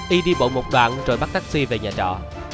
y đi bộ một đoạn rồi bắt taxi về nhà trọ